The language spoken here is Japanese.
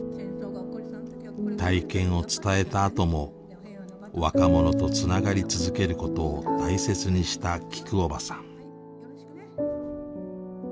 体験を伝えたあとも若者とつながり続けることを大切にしたきくおばさん。